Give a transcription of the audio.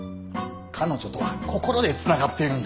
彼女とは心で繋がっているんだ。